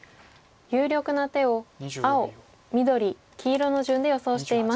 有力な手を青緑黄色の順で予想しています。